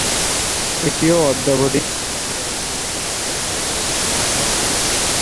এটিও অদ্যাবধি একদিনের আন্তর্জাতিকে রেকর্ড হিসেবে চিত্রিত হয়ে আছে।